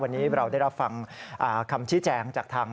วันนี้เราได้รับฟังคำชี้แจงจากทาง